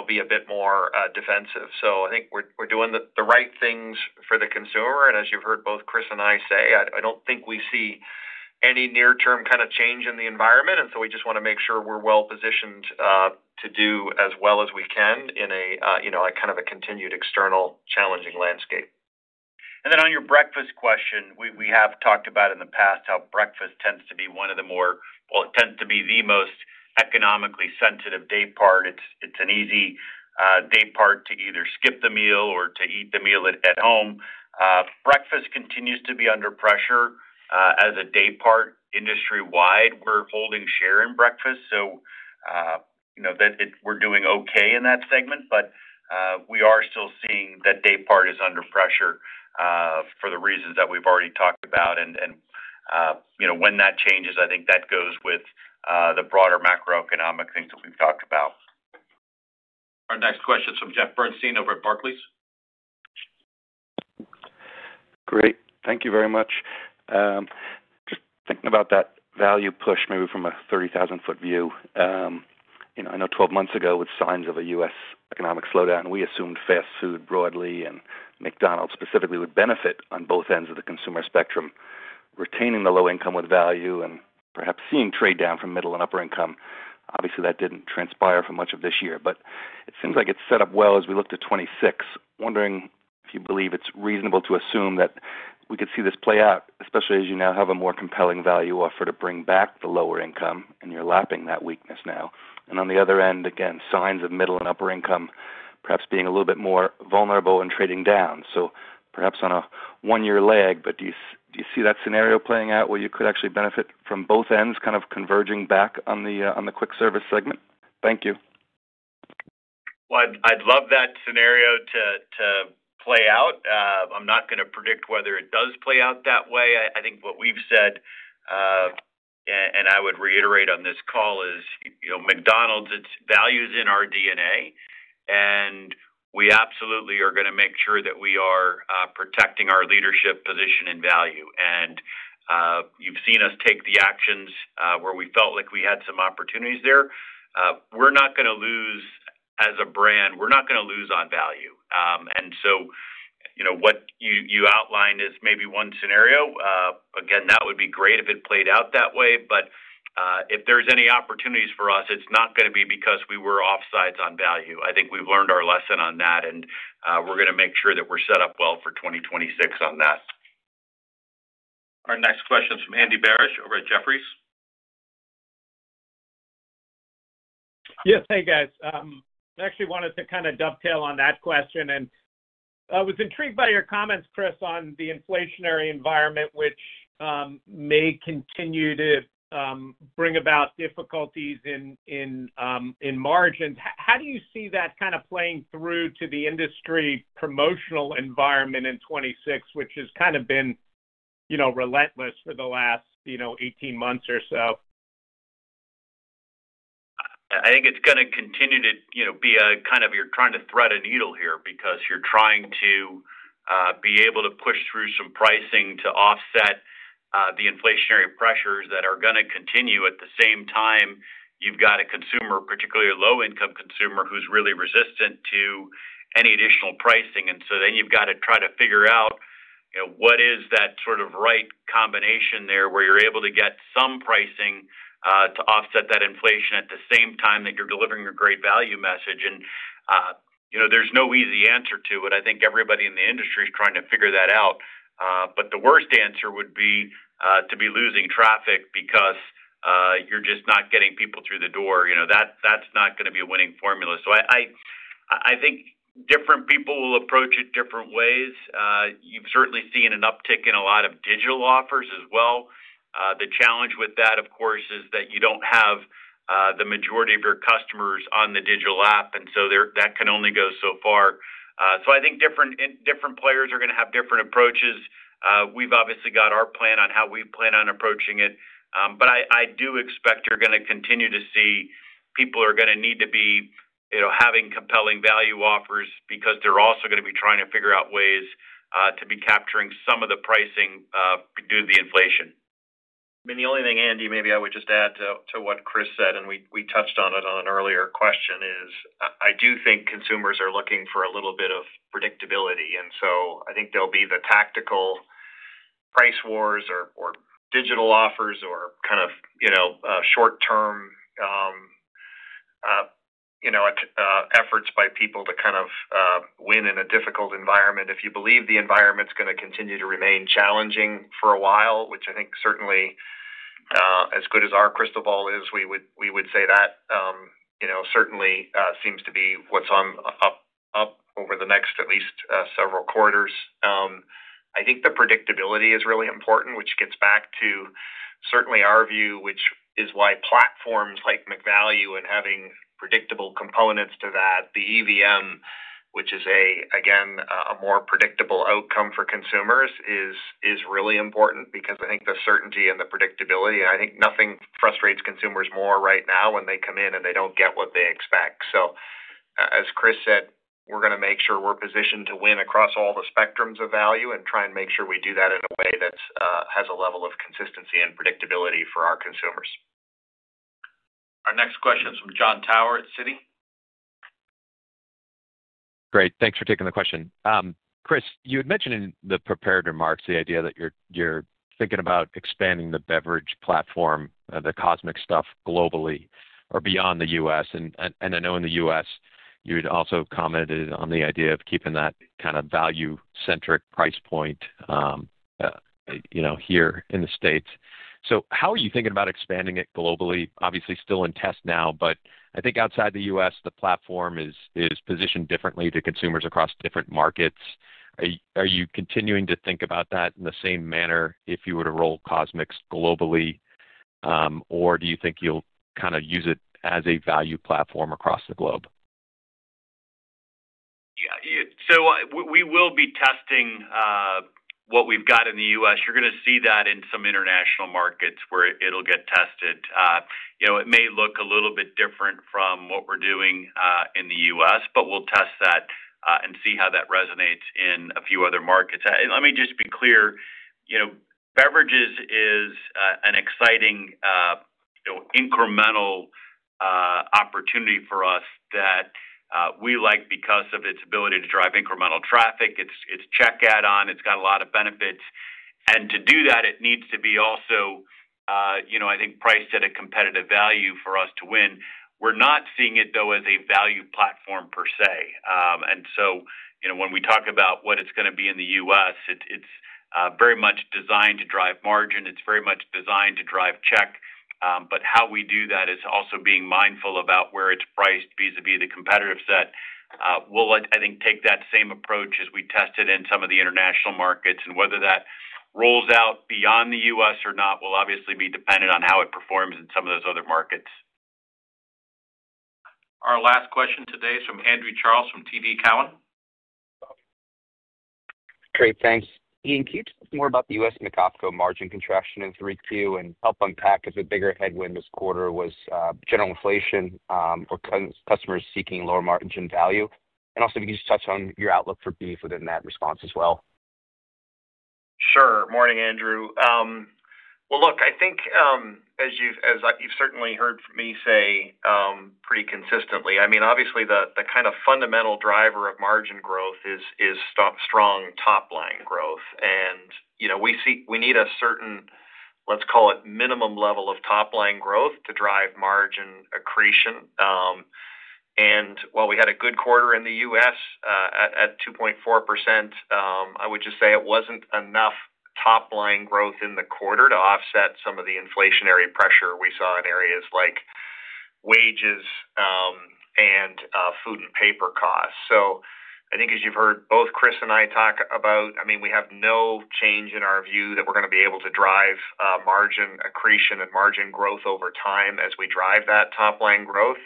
be a bit more defensive. I think we are doing the right things for the consumer. As you have heard both Chris and I say, I do not think we see any near-term kind of change in the environment. We just want to make sure we are well-positioned to do as well as we can in a kind of a continued external challenging landscape. On your breakfast question, we have talked about in the past how breakfast tends to be one of the more—well, it tends to be the most economically sensitive day-part. It's an easy day-part to either skip the meal or to eat the meal at home. Breakfast continues to be under pressure as a day-part industry-wide. We're holding share in breakfast. We're doing okay in that segment. We are still seeing that day-part is under pressure for the reasons that we've already talked about. When that changes, I think that goes with the broader macroeconomic things that we've talked about. Our next question is from Jeff Bernstein over at Barclays. Great. Thank you very much. Just thinking about that value push, maybe from a 30,000-foot view. I know 12 months ago, with signs of a U.S. economic slowdown, we assumed fast food broadly and McDonald's specifically would benefit on both ends of the consumer spectrum. Retaining the low income with value and perhaps seeing trade down from middle and upper income, obviously, that did not transpire for much of this year. It seems like it is set up well as we look to 2026. Wondering if you believe it is reasonable to assume that we could see this play out, especially as you now have a more compelling value offer to bring back the lower income, and you are lapping that weakness now. On the other end, again, signs of middle and upper income perhaps being a little bit more vulnerable and trading down. Perhaps on a one-year lag, but do you see that scenario playing out where you could actually benefit from both ends kind of converging back on the quick service segment? Thank you. I would love that scenario to play out. I'm not going to predict whether it does play out that way. I think what we have said, and I would reiterate on this call, is McDonald's, its value is in our DNA. We absolutely are going to make sure that we are protecting our leadership position in value. You have seen us take the actions where we felt like we had some opportunities there. We are not going to lose as a brand. We are not going to lose on value. What you outlined is maybe one scenario. Again, that would be great if it played out that way. If there are any opportunities for us, it is not going to be because we were offsides on value. I think we have learned our lesson on that, and we are going to make sure that we are set up well for 2026 on that. Our next question is from Andy Barish over at Jefferies. Yes. Hey, guys. I actually wanted to kind of dovetail on that question. I was intrigued by your comments, Chris, on the inflationary environment, which may continue to bring about difficulties in margins. How do you see that kind of playing through to the industry promotional environment in 2026, which has kind of been relentless for the last 18 months or so? I think it's going to continue to be a kind of—you’re trying to thread a needle here because you're trying to be able to push through some pricing to offset the inflationary pressures that are going to continue. At the same time, you've got a consumer, particularly a low-income consumer, who's really resistant to any additional pricing. You’ve got to try to figure out what is that sort of right combination there where you're able to get some pricing to offset that inflation at the same time that you're delivering a great value message. There's no easy answer to it. I think everybody in the industry is trying to figure that out. The worst answer would be to be losing traffic because you're just not getting people through the door. That's not going to be a winning formula. I think different people will approach it different ways. You've certainly seen an uptick in a lot of digital offers as well. The challenge with that, of course, is that you don't have the majority of your customers on the digital app, and that can only go so far. I think different players are going to have different approaches. We've obviously got our plan on how we plan on approaching it. I do expect you're going to continue to see people are going to need to be having compelling value offers because they're also going to be trying to figure out ways to be capturing some of the pricing due to the inflation. I mean, the only thing, Andy, maybe I would just add to what Chris said, and we touched on it on an earlier question, is I do think consumers are looking for a little bit of predictability. I think there'll be the tactical price wars or digital offers or kind of short-term efforts by people to kind of win in a difficult environment. If you believe the environment's going to continue to remain challenging for a while, which I think certainly, as good as our crystal ball is, we would say that certainly seems to be what's on up over the next at least several quarters. I think the predictability is really important, which gets back to. Certainly our view, which is why platforms like McValue and having predictable components to that, the EVM, which is, again, a more predictable outcome for consumers, is really important because I think the certainty and the predictability—I think nothing frustrates consumers more right now when they come in and they do not get what they expect. As Chris said, we are going to make sure we are positioned to win across all the spectrums of value and try and make sure we do that in a way that has a level of consistency and predictability for our consumers. Our next question is from Jon Tower at Citi. Great. Thanks for taking the question. Chris, you had mentioned in the prepared remarks the idea that you're thinking about expanding the beverage platform, the CosMc's stuff, globally or beyond the U.S. I know in the U.S., you had also commented on the idea of keeping that kind of value-centric price point here in the States. How are you thinking about expanding it globally? Obviously, still in test now, but I think outside the U.S., the platform is positioned differently to consumers across different markets. Are you continuing to think about that in the same manner if you were to roll CosMc's globally, or do you think you'll kind of use it as a value platform across the globe? Yeah. We will be testing what we've got in the U.S. You're going to see that in some international markets where it'll get tested. It may look a little bit different from what we're doing in the U.S., but we'll test that and see how that resonates in a few other markets. Let me just be clear. Beverages is an exciting incremental opportunity for us that we like because of its ability to drive incremental traffic. It's check-add on. It's got a lot of benefits. To do that, it needs to be also, I think, priced at a competitive value for us to win. We're not seeing it, though, as a value platform per se. When we talk about what it's going to be in the U.S., it's very much designed to drive margin. It's very much designed to drive check. How we do that is also being mindful about where it's priced vis-à-vis the competitive set. We'll, I think, take that same approach as we test it in some of the international markets. Whether that rolls out beyond the U.S. or not will obviously be dependent on how it performs in some of those other markets. Our last question today is from Andrew Charles from TD Cowen. Great. Thanks. Ian, can you tell us more about the U.S. McOpCo margin contraction in 3Q and help unpack if a bigger headwind this quarter was general inflation or customers seeking lower margin value? Also, if you can just touch on your outlook for beef within that response as well. Sure. Morning, Andrew. Look, I think, as you've certainly heard me say pretty consistently, I mean, obviously, the kind of fundamental driver of margin growth is strong top-line growth. We need a certain, let's call it, minimum level of top-line growth to drive margin accretion. While we had a good quarter in the U.S. at 2.4%, I would just say it wasn't enough top-line growth in the quarter to offset some of the inflationary pressure we saw in areas like wages and food and paper costs. I think, as you've heard both Chris and I talk about, I mean, we have no change in our view that we're going to be able to drive margin accretion and margin growth over time as we drive that top-line growth.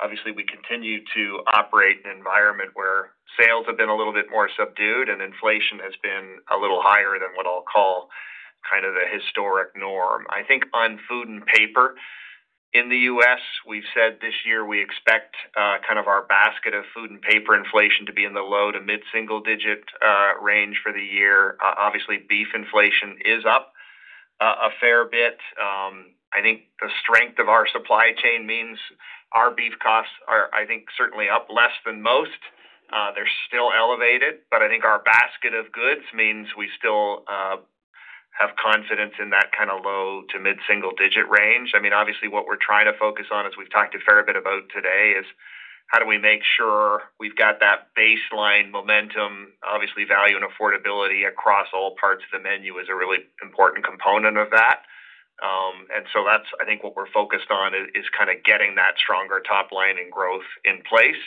Obviously, we continue to operate in an environment where sales have been a little bit more subdued and inflation has been a little higher than what I'll call kind of the historic norm. I think on food and paper in the U.S., we've said this year we expect kind of our basket of food and paper inflation to be in the low to mid-single-digit range for the year. Obviously, beef inflation is up a fair bit. I think the strength of our supply chain means our beef costs are, I think, certainly up less than most. They're still elevated. I think our basket of goods means we still have confidence in that kind of low to mid-single-digit range. I mean, obviously, what we're trying to focus on, as we've talked a fair bit about today, is how do we make sure we've got that baseline momentum? Obviously, value and affordability across all parts of the menu is a really important component of that. That is, I think, what we're focused on, is kind of getting that stronger top-line and growth in place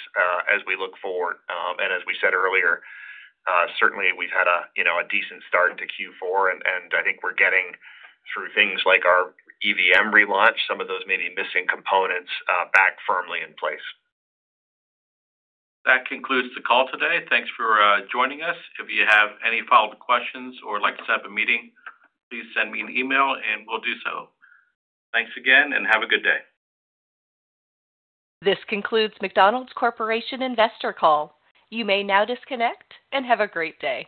as we look forward. As we said earlier, certainly, we've had a decent start to Q4. I think we're getting through things like our EVM relaunch, some of those maybe missing components back firmly in place. That concludes the call today. Thanks for joining us. If you have any follow-up questions or would like to set up a meeting, please send me an email, and we'll do so. Thanks again, and have a good day. This concludes McDonald's Corporation Investor Call. You may now disconnect and have a great day.